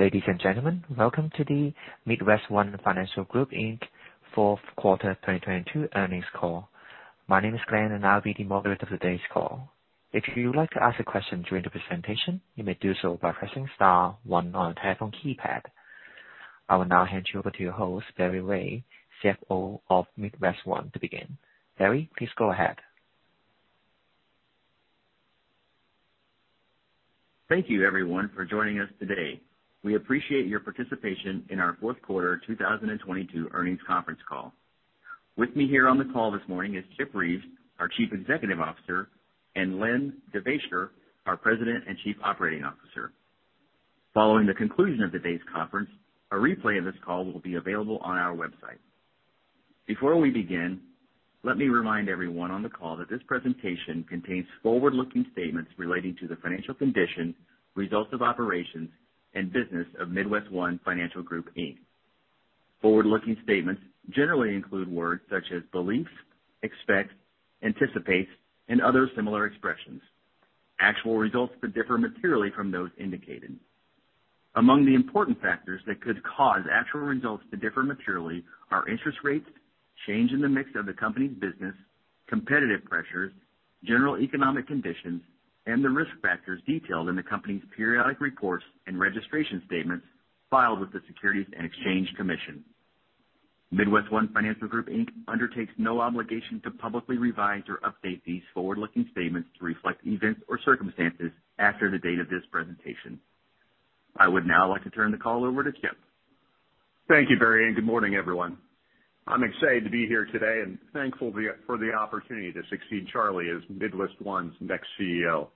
Ladies and gentlemen, welcome to the MidWestOne Financial Group Inc. fourth quarter 2022 earnings call. My name is Glenn and I'll be the moderator of today's call. If you would like to ask a question during the presentation, you may do so by pressing star one on your telephone keypad. I will now hand you over to your host, Barry Ray, CFO of MidWestOne to begin. Barry, please go ahead. Thank you everyone for joining us today. We appreciate your participation in our fourth quarter 2022 earnings conference call. With me here on the call this morning is Chip Reeves, our Chief Executive Officer, and Len Devaisher, our President and Chief Operating Officer. Following the conclusion of today's conference, a replay of this call will be available on our website. Before we begin, let me remind everyone on the call that this presentation contains forward-looking statements relating to the financial condition, results of operations, and business of MidWestOne Financial Group, Inc. Forward-looking statements generally include words such as beliefs, expect, anticipate, and other similar expressions. Actual results could differ materially from those indicated. Among the important factors that could cause actual results to differ materially are interest rates, change in the mix of the company's business, competitive pressures, general economic conditions, and the risk factors detailed in the company's periodic reports and registration statements filed with the Securities and Exchange Commission. MidWestOne Financial Group, Inc. undertakes no obligation to publicly revise or update these forward-looking statements to reflect events or circumstances after the date of this presentation. I would now like to turn the call over to Chip. Thank you, Barry. Good morning, everyone. I'm excited to be here today and thankful for the opportunity to succeed Charlie as MidWestOne's next CEO.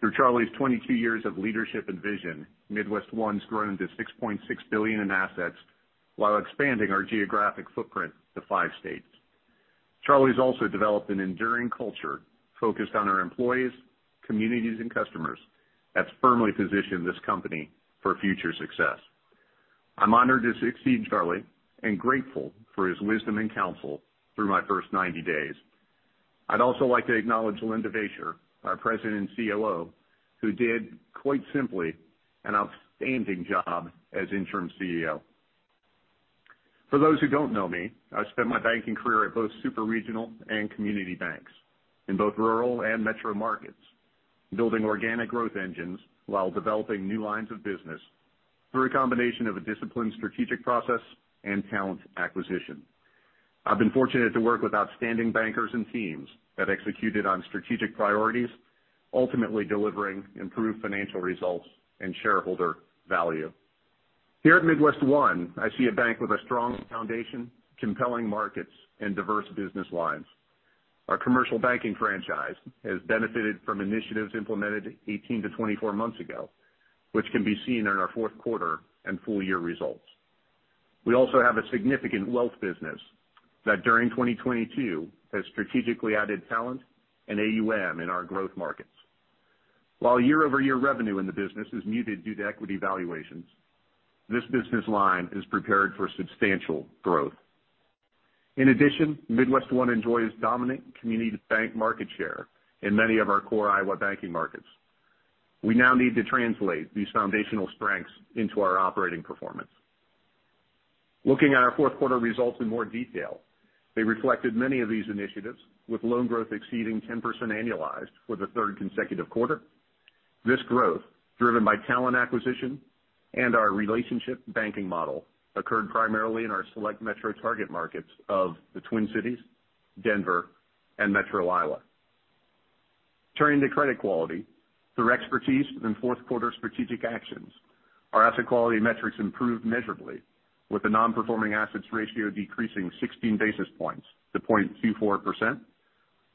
Through Charlie's 22 years of leadership and vision, MidWestOne's grown to $6.6 billion in assets while expanding our geographic footprint to five states. Charlie's also developed an enduring culture focused on our employees, communities, and customers that's firmly positioned this company for future success. I'm honored to succeed Charlie and grateful for his wisdom and counsel through my first 90 days. I'd also like to acknowledge Len Devaisher, our President and COO, who did, quite simply, an outstanding job as interim CEO. For those who don't know me, I've spent my banking career at both super regional and community banks in both rural and metro markets, building organic growth engines while developing new lines of business through a combination of a disciplined strategic process and talent acquisition. I've been fortunate to work with outstanding bankers and teams that executed on strategic priorities, ultimately delivering improved financial results and shareholder value. Here at MidWestOne, I see a bank with a strong foundation, compelling markets, and diverse business lines. Our commercial banking franchise has benefited from initiatives implemented 18-24 months ago, which can be seen in our fourth quarter and full year results. We also have a significant wealth business that during 2022 has strategically added talent and AUM in our growth markets. While year-over-year revenue in the business is muted due to equity valuations, this business line is prepared for substantial growth. In addition, MidWestOne enjoys dominant community bank market share in many of our core Iowa banking markets. We now need to translate these foundational strengths into our operating performance. Looking at our fourth quarter results in more detail, they reflected many of these initiatives, with loan growth exceeding 10% annualized for the third consecutive quarter. This growth, driven by talent acquisition and our relationship banking model, occurred primarily in our select metro target markets of the Twin Cities, Denver, and Metro Iowa. Turning to credit quality, through expertise and fourth quarter strategic actions, our asset quality metrics improved measurably with the non-performing assets ratio decreasing 16 basis points to 0.24%.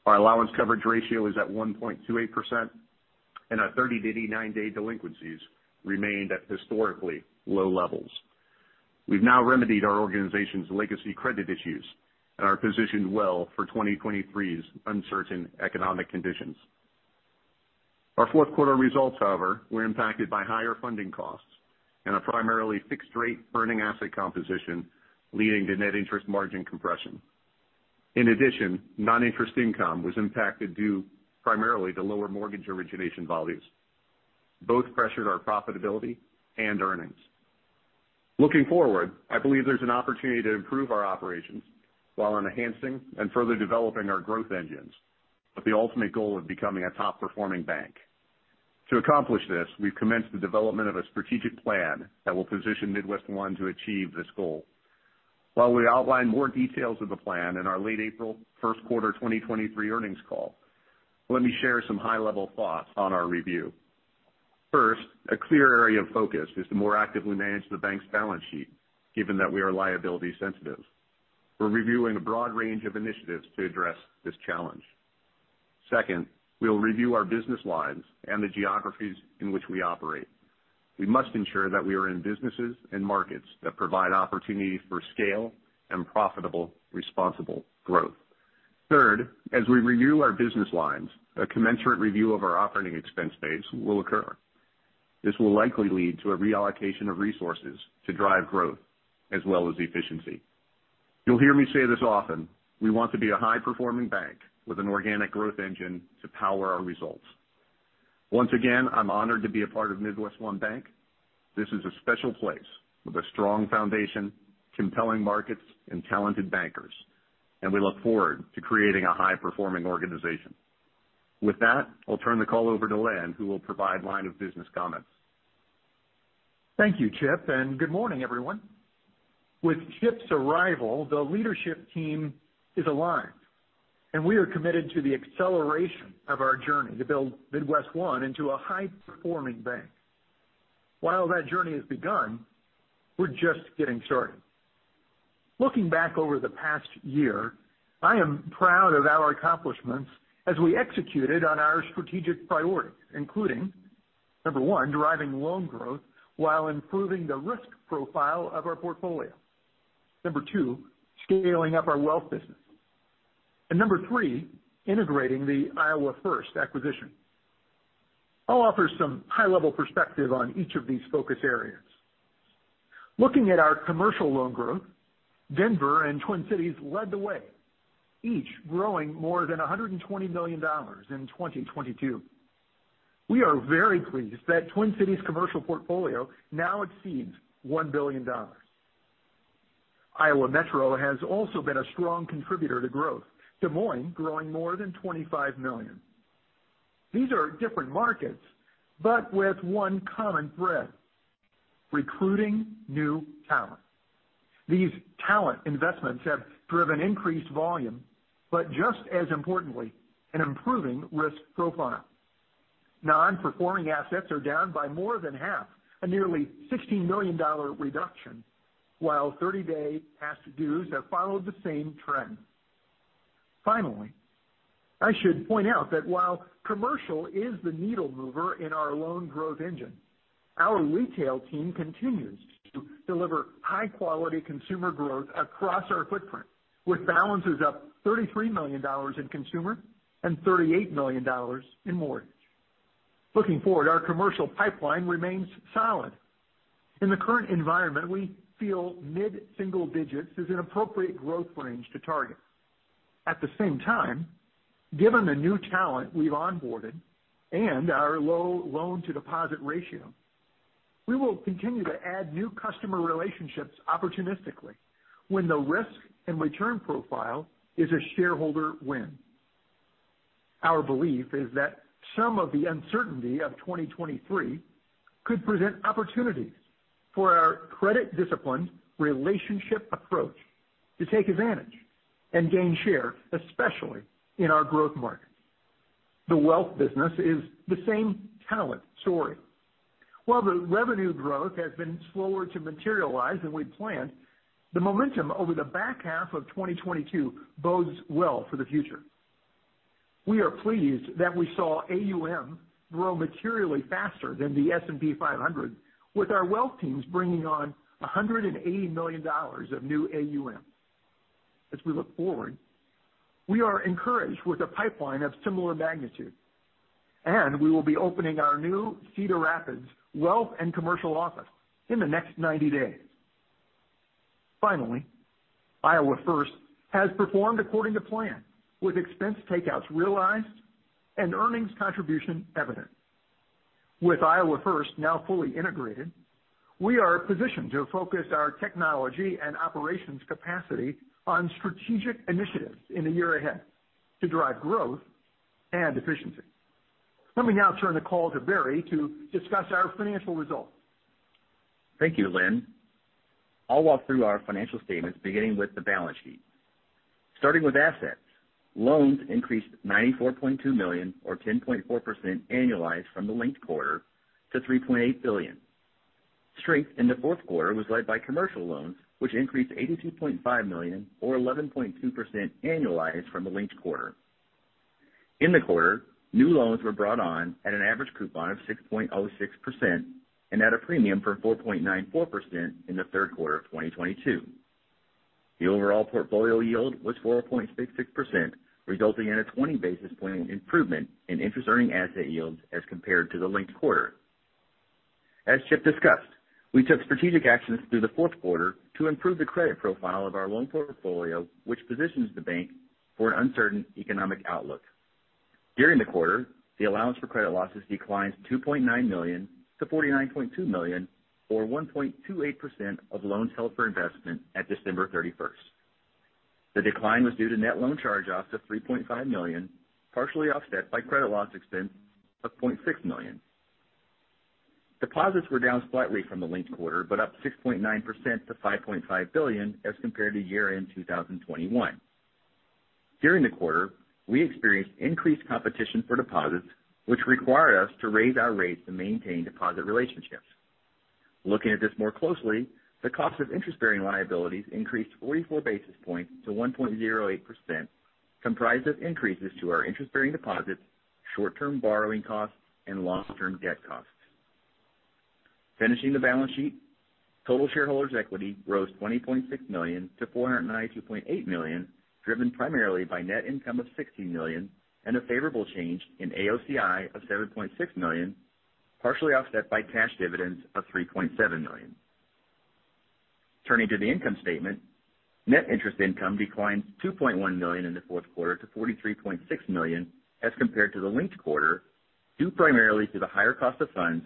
Our allowance coverage ratio is at 1.28%, and our 30-89-day delinquencies remained at historically low levels. We've now remedied our organization's legacy credit issues and are positioned well for 2023's uncertain economic conditions. Our fourth quarter results, however, were impacted by higher funding costs and a primarily fixed rate earning asset composition, leading to net interest margin compression. In addition, non-interest income was impacted due primarily to lower mortgage origination volumes. Both pressured our profitability and earnings. Looking forward, I believe there's an opportunity to improve our operations while enhancing and further developing our growth engines with the ultimate goal of becoming a top-performing bank. To accomplish this, we've commenced the development of a strategic plan that will position MidWestOne to achieve this goal. While we outline more details of the plan in our late April first quarter 2023 earnings call, let me share some high-level thoughts on our review. First, a clear area of focus is to more actively manage the bank's balance sheet, given that we are liability sensitive. We're reviewing a broad range of initiatives to address this challenge. Second, we'll review our business lines and the geographies in which we operate. We must ensure that we are in businesses and markets that provide opportunities for scale and profitable, responsible growth. Third, as we review our business lines, a commensurate review of our operating expense base will occur. This will likely lead to a reallocation of resources to drive growth as well as efficiency. You'll hear me say this often. We want to be a high-performing bank with an organic growth engine to power our results. Once again, I'm honored to be a part of MidWestOne Bank. This is a special place with a strong foundation, compelling markets, and talented bankers, and we look forward to creating a high-performing organization. With that, I'll turn the call over to Len, who will provide line of business comments. Thank you, Chip, and good morning, everyone. With Chip's arrival, the leadership team is aligned, and we are committed to the acceleration of our journey to build MidWestOne into a high-performing bank. While that journey has begun, we're just getting started. Looking back over the past year, I am proud of our accomplishments as we executed on our strategic priorities, including, number one, driving loan growth while improving the risk profile of our portfolio. Number two, scaling up our wealth business. Number three, integrating the Iowa First acquisition. I'll offer some high-level perspective on each of these focus areas. Looking at our commercial loan growth, Denver and Twin Cities led the way, each growing more than $120 million in 2022. We are very pleased that Twin Cities' commercial portfolio now exceeds $1 billion. Iowa Metro has also been a strong contributor to growth, Des Moines growing more than $25 million. These are different markets, but with one common thread, recruiting new talent. These talent investments have driven increased volume, but just as importantly, an improving risk profile. Non-performing assets are down by more than half, a nearly $60 million reduction, while 30-day past dues have followed the same trend. Finally, I should point out that while commercial is the needle mover in our loan growth engine, our retail team continues to deliver high-quality consumer growth across our footprint, with balances up $33 million in consumer and $38 million in mortgage. Looking forward, our commercial pipeline remains solid. In the current environment, we feel mid-single digits is an appropriate growth range to target. At the same time, given the new talent we've onboarded and our low loan-to-deposit ratio, we will continue to add new customer relationships opportunistically when the risk and return profile is a shareholder win. Our belief is that some of the uncertainty of 2023 could present opportunities for our credit discipline relationship approach to take advantage and gain share, especially in our growth markets. The wealth business is the same talent story. While the revenue growth has been slower to materialize than we planned, the momentum over the back half of 2022 bodes well for the future. We are pleased that we saw AUM grow materially faster than the S&P 500, with our wealth teams bringing on $180 million of new AUM. As we look forward, we are encouraged with a pipeline of similar magnitude, and we will be opening our new Cedar Rapids wealth and commercial office in the next 90 days. Finally, Iowa First has performed according to plan, with expense takeouts realized and earnings contribution evident. With Iowa First now fully integrated, we are positioned to focus our technology and operations capacity on strategic initiatives in the year ahead to drive growth and efficiency. Let me now turn the call to Barry to discuss our financial results. Thank you, Len. I'll walk through our financial statements, beginning with the balance sheet. Starting with assets. Loans increased $94.2 million or 10.4% annualized from the linked quarter to $3.8 billion. Strength in the fourth quarter was led by commercial loans, which increased $82.5 million or 11.2% annualized from the linked quarter. In the quarter, new loans were brought on at an average coupon of 6.06% and at a premium for 4.94% in the third quarter of 2022. The overall portfolio yield was 4.66%, resulting in a 20 basis point improvement in interest earning asset yields as compared to the linked quarter. As Chip discussed, we took strategic actions through the fourth quarter to improve the credit profile of our loan portfolio, which positions the bank for an uncertain economic outlook. During the quarter, the allowance for credit losses declined $2.9 million to $49.2 million, or 1.28% of loans held for investment at December 31st. The decline was due to net loan charge-offs of $3.5 million, partially offset by credit loss expense of $0.6 million. Deposits were down slightly from the linked quarter, but up 6.9% to $5.5 billion as compared to year-end 2021. During the quarter, we experienced increased competition for deposits which required us to raise our rates to maintain deposit relationships. Looking at this more closely, the cost of interest-bearing liabilities increased [44] basis points to 1.08%, comprised of increases to our interest-bearing deposits, short-term borrowing costs, and long-term debt costs. Finishing the balance sheet, total shareholders' equity rose $20.6 million to $490.8 million, driven primarily by net income of $60 million and a favorable change in AOCI of $7.6 million. Partially offset by cash dividends of $3.7 million. Turning to the income statement. Net interest income declined $2.1 million in the fourth quarter to $43.6 million as compared to the linked quarter, due primarily to the higher cost of funds,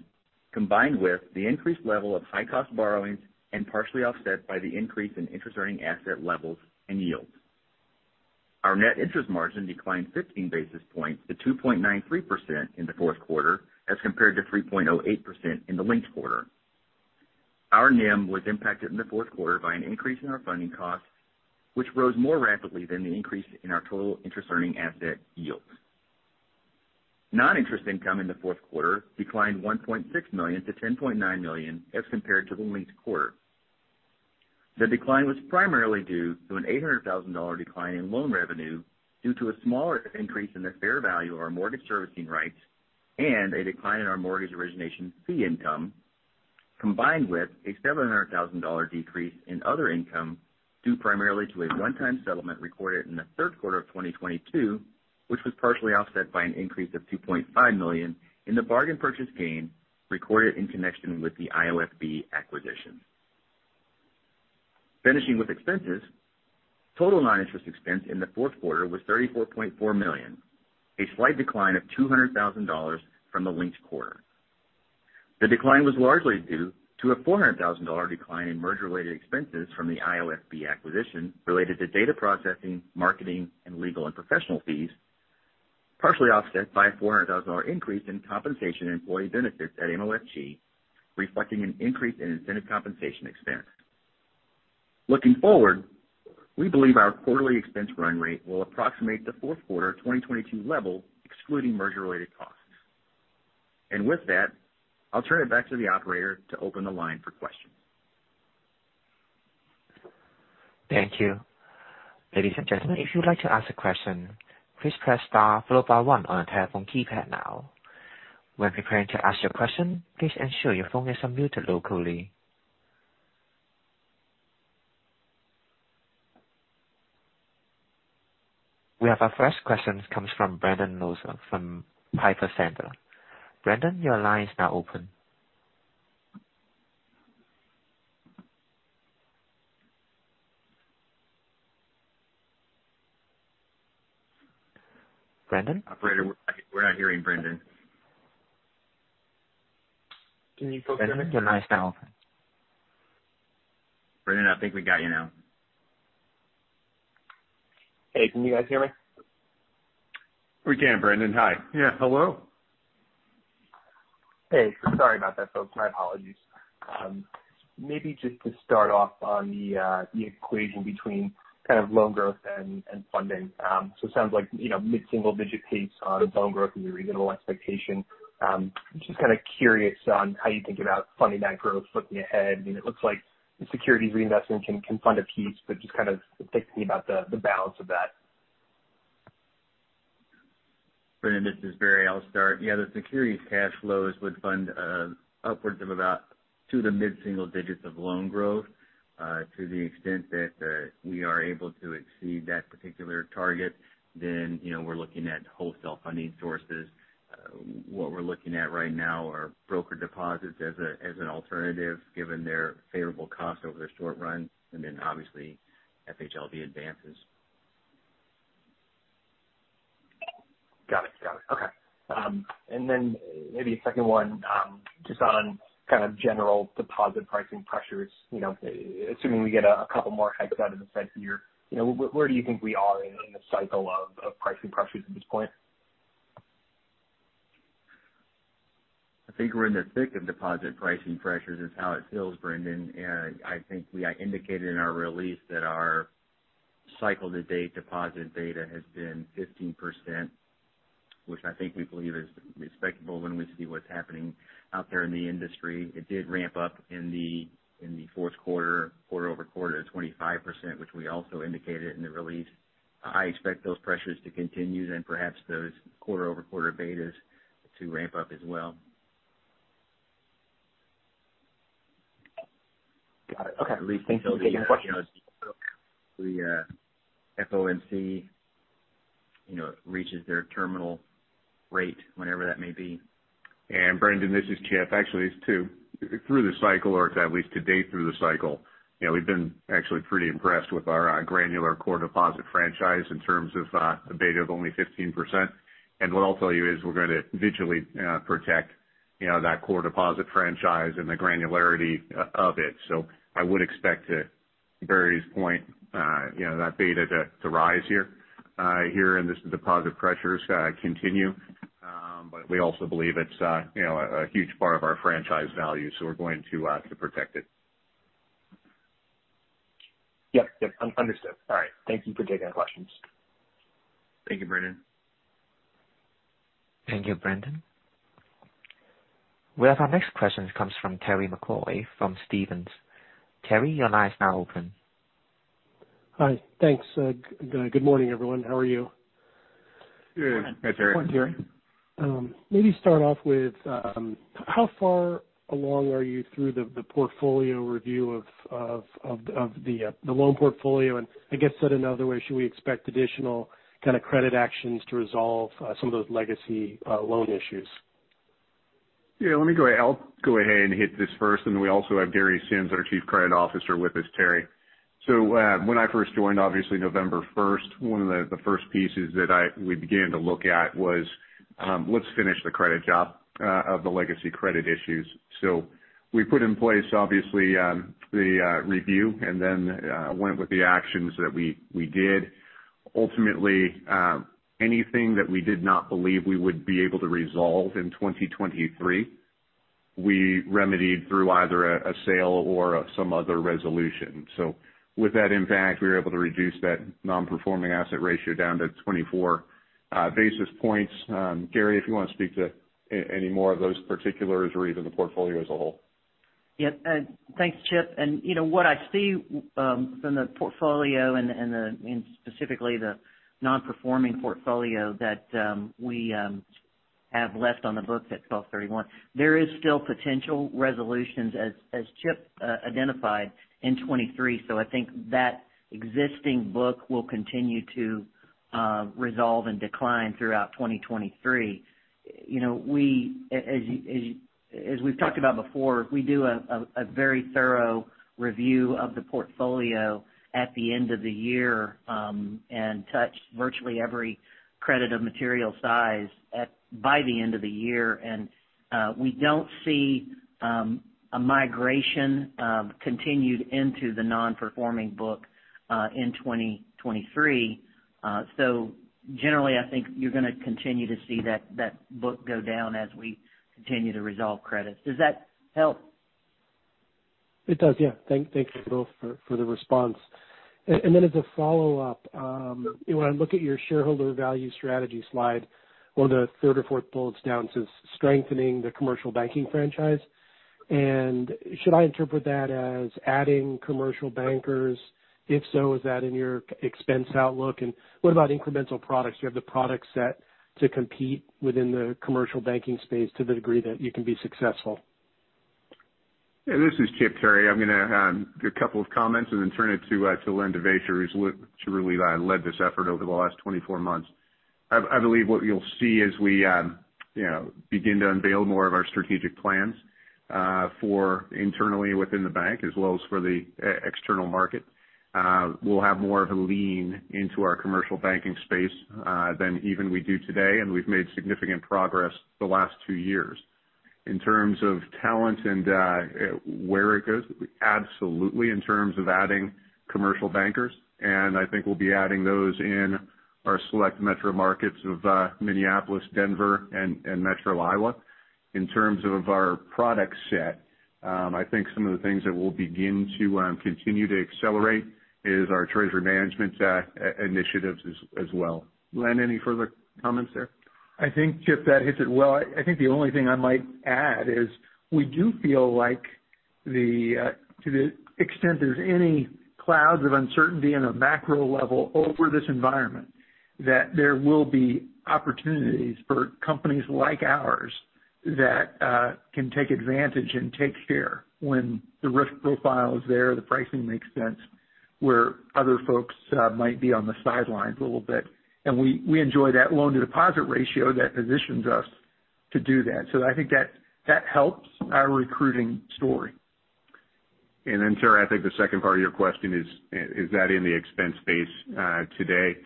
combined with the increased level of high cost borrowings and partially offset by the increase in interest earning asset levels and yields. Our net interest margin declined 15 basis points to 2.93% in the fourth quarter as compared to 3.08% in the linked quarter. Our NIM was impacted in the fourth quarter by an increase in our funding costs, which rose more rapidly than the increase in our total interest earning asset yields. Non-interest income in the fourth quarter declined $1.6 million to $10.9 million as compared to the linked quarter. The decline was primarily due to an $800,000 decline in loan revenue due to a smaller increase in the fair value of our mortgage servicing rights and a decline in our mortgage origination fee income, combined with a $700,000 decrease in other income due primarily to a one-time settlement recorded in the third quarter of 2022, which was partially offset by an increase of $2.5 million in the bargain purchase gain recorded in connection with the IOFB acquisition. Finishing with expenses. Total non-interest expense in the fourth quarter was $34.4 million, a slight decline of $200,000 from the linked quarter. The decline was largely due to a $400,000 decline in merger-related expenses from the IOFB acquisition related to data processing, marketing, and legal and professional fees, partially offset by a $400,000 increase in compensation employee benefits at MOFG, reflecting an increase in incentive compensation expense. Looking forward, we believe our quarterly expense run rate will approximate the fourth quarter of 2022 level, excluding merger-related costs. With that, I'll turn it back to the operator to open the line for questions. Thank you. Ladies and gentlemen, if you'd like to ask a question, please press star follow by one on your telephone keypad now. When preparing to ask your question, please ensure your phone is unmuted locally. We have our first question comes from Brendan Nosal from Piper Sandler. Brendan, your line is now open. Brendan? Operator, we're not hearing Brendan. Can you poke Brendan? Brendan, your line is now open. Brendan, I think we got you now. Hey, can you guys hear me? We can, Brendan. Hi. Yeah. Hello. Hey, sorry about that, folks. My apologies. Maybe just to start off on the equation between kind of loan growth and funding. It sounds like, you know, mid-single digit pace on loan growth is a reasonable expectation. I'm just kind of curious on how you think about funding that growth looking ahead. I mean, it looks like the securities reinvestment can fund a piece, but just kind of thinking about the balance of that. Brendan, this is Barry. I'll start. Yeah, the securities cash flows would fund upwards of about to the mid-single digits of loan growth. To the extent that we are able to exceed that particular target, then, you know, we're looking at wholesale funding sources. What we're looking at right now are broker deposits as an alternative, given their favorable cost over the short run, and then obviously FHLB advances. Got it. Got it. Okay. Maybe a second one, just on kind of general deposit pricing pressures, you know, assuming we get a couple more hikes out of the Fed here, you know, where do you think we are in the cycle of pricing pressures at this point? I think we're in the thick of deposit pricing pressures is how it feels, Brendan. I think we indicated in our release that our cycle to date deposit data has been 15%, which I think we believe is respectable when we see what's happening out there in the industry. It did ramp up in the, in the fourth quarter-over-quarter to 25%, which we also indicated in the release. I expect those pressures to continue then perhaps those quarter-over-quarter betas to ramp up as well. Got it. Okay. At least until the, you know, the, FOMC, you know, reaches their terminal rate, whenever that may be. Brendan, this is Chip. Actually it's two. Through the cycle or at least to date through the cycle, you know, we've been actually pretty impressed with our granular core deposit franchise in terms of a beta of only 15%. What I'll tell you is we're gonna vigilantly protect, you know, that core deposit franchise and the granularity of it. I would expect to Barry's point, you know, that beta to rise here and this deposit pressures continue. We also believe it's, you know, a huge part of our franchise value, we're going to protect it. Understood. All right. Thank you for taking our questions. Thank you, Brendan. Thank you, Brendan. We have our next question comes from Terry McEvoy from Stephens. Terry, your line is now open. Hi. Thanks. good morning, everyone. How are you? Good. Hi, Terry. Morning, Terry. Maybe start off with how far along are you through the portfolio review of the loan portfolio? I guess said another way, should we expect additional kind of credit actions to resolve some of those legacy loan issues? Yeah, let me I'll go ahead and hit this first, and then we also have Gary Sims, our Chief Credit Officer, with us, Terry. When I first joined, obviously November 1st, one of the first pieces that we began to look at was, let's finish the credit job of the legacy credit issues. We put in place, obviously, the review, and then went with the actions that we did. Ultimately, anything that we did not believe we would be able to resolve in 2023, we remedied through either a sale or some other resolution. With that impact, we were able to reduce that non-performing asset ratio down to 24 basis points. Gary, if you wanna speak to any more of those particulars or even the portfolio as a whole. Yeah, thanks, Chip. You know what I see from the portfolio and the, and specifically the non-performing portfolio that we have left on the books at December 31, there is still potential resolutions as Chip identified in 2023. I think that existing book will continue to resolve and decline throughout 2023. You know, as we've talked about before, we do a very thorough review of the portfolio at the end of the year and touch virtually every credit of material size at by the end of the year. We don't see a migration continued into the non-performing book in 2023. Generally, I think you're gonna continue to see that book go down as we continue to resolve credits. Does that help? It does, yeah. Thank you both for the response. Then as a follow-up, when I look at your shareholder value strategy slide, one of the third or fourth bullets down says, strengthening the commercial banking franchise. Should I interpret that as adding commercial bankers? If so, is that in your expense outlook? What about incremental products? Do you have the product set to compete within the commercial banking space to the degree that you can be successful? This is Chip, Terry. I'm gonna do a couple of comments and then turn it to Len Devaisher who really led this effort over the last 24 months. I believe what you'll see as we, you know, begin to unveil more of our strategic plans for internally within the bank as well as for the external market, we'll have more of a lean into our commercial banking space than even we do today, and we've made significant progress the last two years. In terms of talent and where it goes, absolutely, in terms of adding commercial bankers, and I think we'll be adding those in our select metro markets of Minneapolis, Denver, and Metro Iowa. In terms of our product set, I think some of the things that we'll begin to continue to accelerate is our treasury management initiatives as well. Len, any further comments there? I think, Chip, that hits it well. I think the only thing I might add is we do feel like the to the extent there's any clouds of uncertainty on a macro level over this environment, that there will be opportunities for companies like ours that can take advantage and take share when the risk profile is there, the pricing makes sense, where other folks might be on the sidelines a little bit. We enjoy that loan-to-deposit ratio that positions us to do that. I think that helps our recruiting story. Terry, I think the second part of your question is that in the expense base today.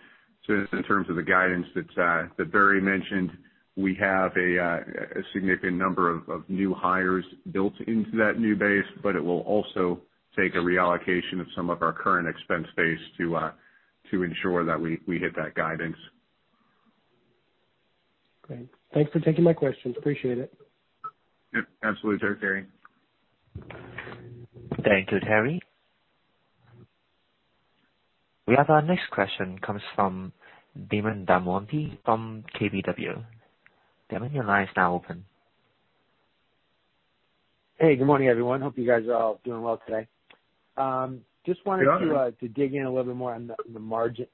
Just in terms of the guidance that Barry mentioned, we have a significant number of new hires built into that new base, but it will also take a reallocation of some of our current expense base to ensure that we hit that guidance. Great. Thanks for taking my questions. Appreciate it. Yep, absolutely, sir Terry. Thank you, Terry. We have our next question comes from Damon DelMonte from KBW. Damon, your line is now open. Hey, good morning, everyone. Hope you guys are all doing well today. just wanted to. Good morning. To dig in a little bit more on the margin.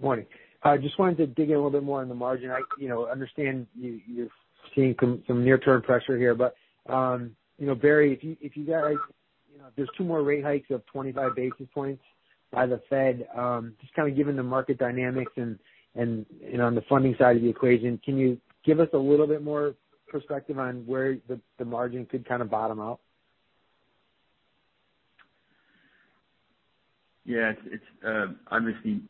Morning. I just wanted to dig in a little bit more on the margin. I, you know, understand you're seeing some near-term pressure here. You know, Barry, if you guys, you know, there's two more rate hikes of 25 basis points by the Fed, just kind of given the market dynamics and, you know, on the funding side of the equation, can you give us a little bit more perspective on where the margin could kind of bottom out? Yes. It's obviously,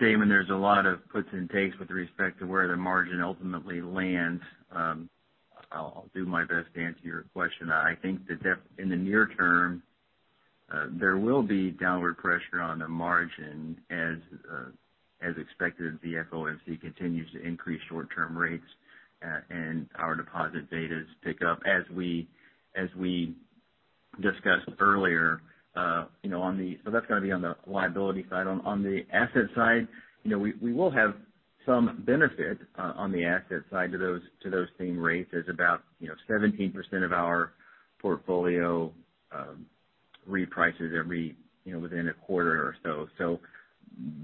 Damon, there's a lot of puts and takes with respect to where the margin ultimately lands. I'll do my best to answer your question. I think that in the near term, there will be downward pressure on the margin as expected as the FOMC continues to increase short-term rates and our deposit betas pick up as we discussed earlier. That's gonna be on the liability side. On the asset side, we will have some benefit on the asset side to those same rates. There's about 17% of our portfolio reprices every within a quarter or so.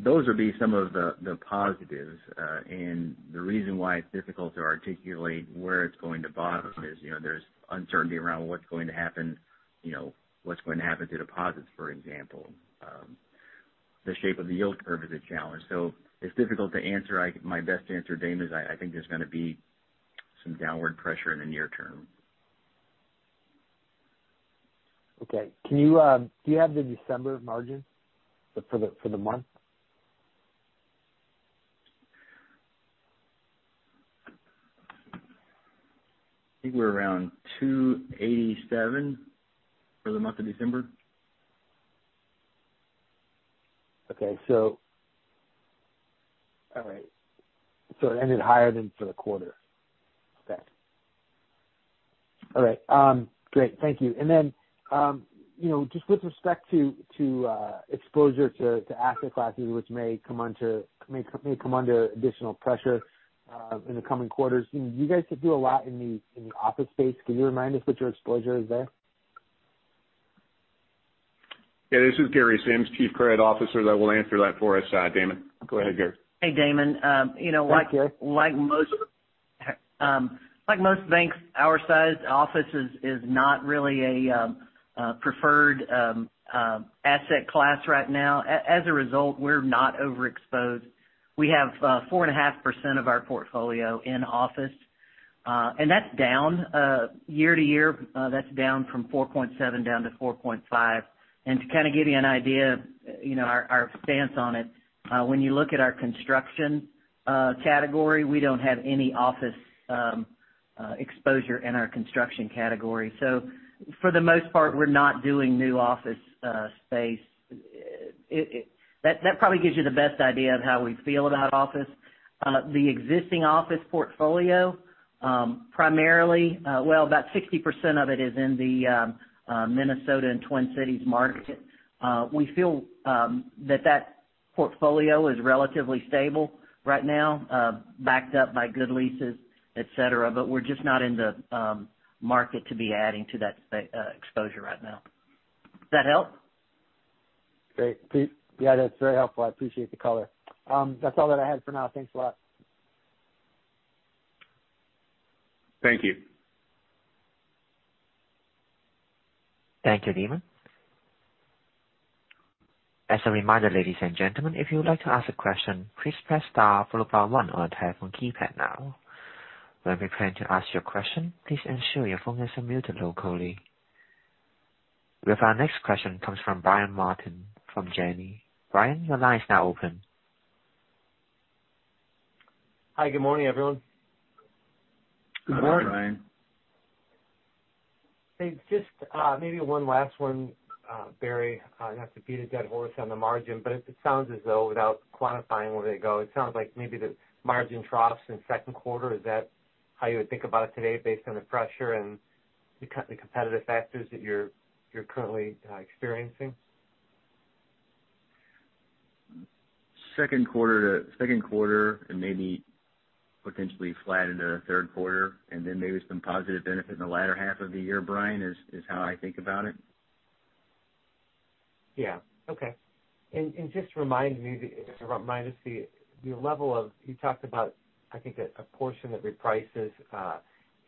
Those would be some of the positives. The reason why it's difficult to articulate where it's going to bottom is, you know, there's uncertainty around what's going to happen, you know, what's going to happen to deposits, for example. The shape of the yield curve is a challenge. It's difficult to answer. My best answer, Damon, is I think there's gonna be some downward pressure in the near term. Okay. Can you, do you have the December margin for the, for the month? I think we're around 287 for the month of December. Okay. All right. It ended higher than for the quarter. Okay. All right. Great. Thank you. You know, just with respect to exposure to asset classes, which may come under additional pressure in the coming quarters. You guys do a lot in the office space. Can you remind us what your exposure is there? Yeah, this is Gary Sims, Chief Credit Officer. I will answer that for us, Damon. Go ahead, Gary. Hey, Damon. You know. Thanks, Gary. Like most of, like most banks our size, office is not really a preferred asset class right now. As a result, we're not overexposed. We have 4.5% of our portfolio in office. That's down year-to-year. That's down from 4.7 down to 4.5. To give you an idea, you know, our stance on it, when you look at our construction category, we don't have any office exposure in our construction category. For the most part, we're not doing new office space. That probably gives you the best idea of how we feel about office. The existing office portfolio, primarily, well, about 60% of it is in the Minnesota and Twin Cities market. We feel that that portfolio is relatively stable right now, backed up by good leases, et cetera. We're just not in the market to be adding to that exposure right now. Does that help? Great. Yeah, that's very helpful. I appreciate the color. That's all that I had for now. Thanks a lot. Thank you. Thank you, Damon. As a reminder, ladies and gentlemen, if you would like to ask a question, please press star followed by one on your telephone keypad now. When preparing to ask your question, please ensure your phone is unmuted locally. We have our next question comes from Brian Martin from Janney. Brian, your line is now open. Hi, good morning, everyone. Good morning. Good morning, Brian. Hey, just, maybe one last one, Barry. I'd have to beat a dead horse on the margin, but it sounds as though, without quantifying where they go, it sounds like maybe the margin troughs in second quarter. Is that how you would think about it today based on the pressure and the competitive factors that you're currently experiencing? Second quarter to second quarter and maybe potentially flat into the third quarter and then maybe some positive benefit in the latter half of the year, Brian, is how I think about it. Yeah. Okay. Just remind us the level of you talked about, I think, a portion of reprices.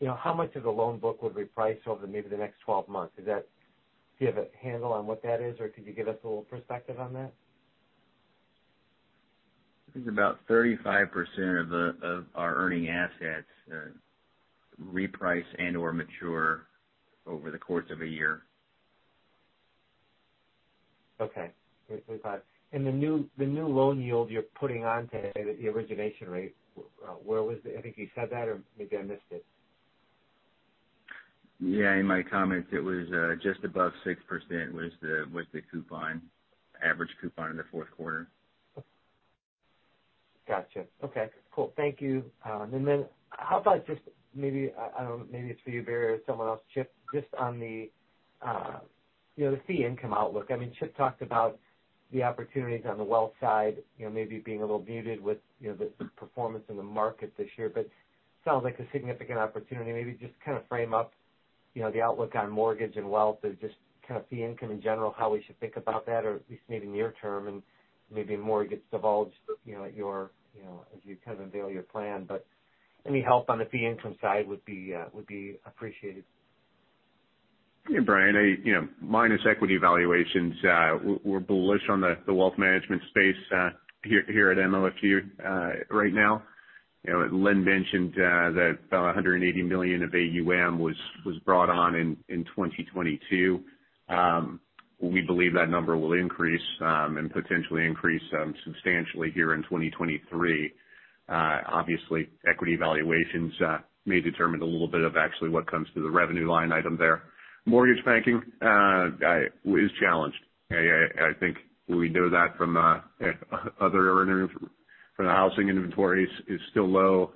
You know, how much of the loan book would reprice over maybe the next 12 months? Do you have a handle on what that is, or could you give us a little perspective on that? I think about 35% of our earning assets, reprice and/or mature over the course of a year. Okay. 35%. The new loan yield you're putting on today, the origination rate, where was it? I think you said that or maybe I missed it. Yeah, in my comments, it was, just above 6% was the, was the coupon, average coupon in the fourth quarter. Gotcha. Okay. Cool. Thank you. How about just maybe, I don't know, maybe it's for you, Barry, or someone else, Chip, just on the, you know, the fee income outlook. I mean, Chip talked about the opportunities on the wealth side, you know, maybe being a little muted with, you know, the performance in the market this year. Sounds like a significant opportunity. Maybe just to kind of frame up, you know, the outlook on mortgage and wealth is just kind of fee income in general, how we should think about that, or at least maybe near term and maybe mortgage divulged, you know, at your, you know, as you kind of unveil your plan. Any help on the fee income side would be appreciated. Yeah, Brian, I, you know, minus equity valuations, we're bullish on the wealth management space here at MOFG right now. You know, Len mentioned that about $180 million of AUM was brought on in 2022. We believe that number will increase and potentially increase substantially here in 2023. Obviously, equity valuations may determine a little bit of actually what comes to the revenue line item there. Mortgage banking is challenged. I think we know that from other earnings. The housing inventory is still low.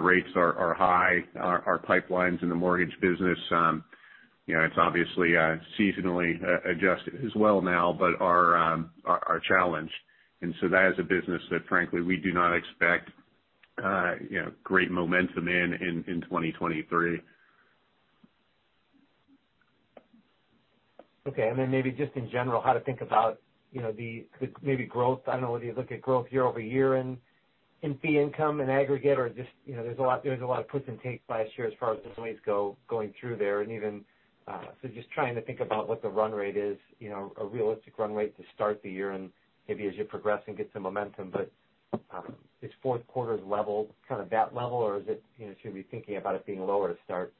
Rates are high. Our pipelines in the mortgage business, you know, it's obviously seasonally adjusted as well now, but are challenged. That is a business that frankly we do not expect, you know, great momentum in 2023. Okay. Maybe just in general, how to think about, you know, the maybe growth. I don't know whether you look at growth year-over-year and in fee income and aggregate or just, you know, there's a lot of puts and takes last year as far as delays go, going through there. So just trying to think about what the run rate is, you know, a realistic run rate to start the year and maybe as you progress and get some momentum. Is fourth quarter's level kind of that level or is it, you know, should we be thinking about it being lower to start?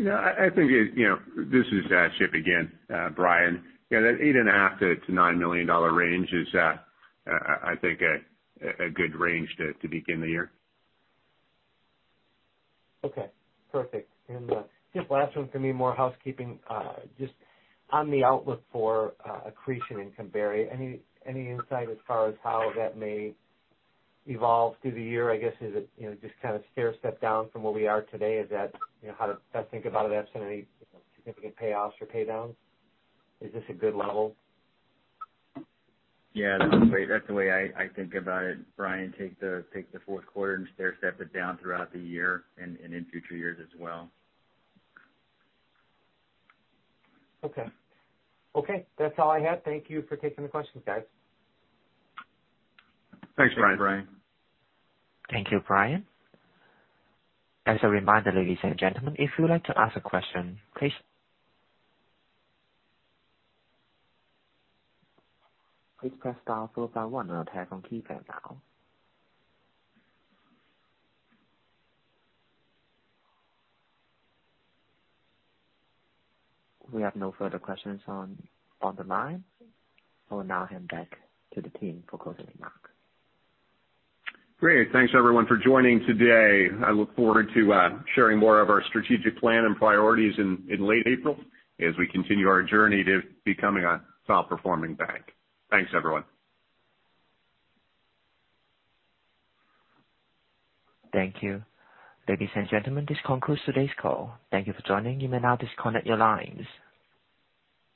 No, I think it. You know, this is Chip again, Brian. Yeah, that 8.5 To $9 million range is, I think a good range to begin the year. Okay, perfect. Just last one for me, more housekeeping. Just on the outlook for accretion in Denver. Any insight as far as how that may evolve through the year? I guess is it, you know, just kind of stair-step down from where we are today? Is that, you know, how to best think about it absent any significant payoffs or pay downs? Is this a good level? Yeah, that's the way I think about it, Brian. Take the fourth quarter and stair-step it down throughout the year and in future years as well. Okay. Okay, that's all I had. Thank you for taking the questions, guys. Thanks, Brian. Thanks, Brian. Thank you, Brian. As a reminder, ladies and gentlemen, if you would like to ask a question, please press star four followed by one on your telephone keypad now. We have no further questions on the line. I will now hand back to the team for closing remarks. Great. Thanks everyone for joining today. I look forward to sharing more of our strategic plan and priorities in late April as we continue our journey to becoming a top performing bank. Thanks, everyone. Thank you. Ladies and gentlemen, this concludes today's call. Thank you for joining. You may now disconnect your lines.